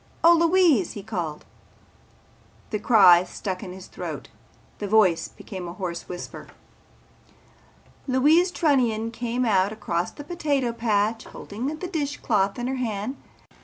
Oh, Louise!" he called. The cry stuck in his throat. His voice became a hoarse whisper. Louise Trunnion came out across the potato patch holding the dish cloth in her hand.